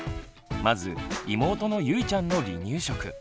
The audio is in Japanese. まず妹のゆいちゃんの離乳食。